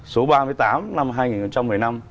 số ba mươi tám năm hai nghìn một mươi năm